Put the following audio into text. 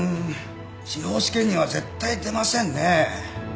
司法試験には絶対出ませんね。